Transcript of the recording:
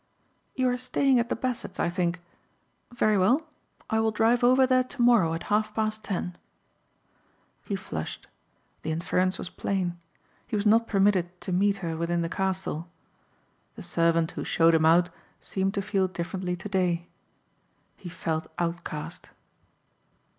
"You are staying at the Bassetts I think. Very well I will drive over there tomorrow at half past ten." He flushed. The inference was plain. He was not permitted to meet her within the castle. The servant who showed him out seemed to feel differently today. He felt outcast.